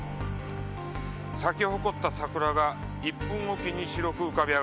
「咲き誇った桜が１分おきに白く浮かび上がる」。